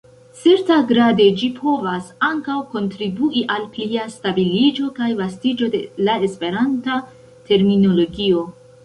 Certagrade ĝi povas ankaŭ kontribui al plia stabiliĝo kaj vastiĝo de la Esperanta terminologio.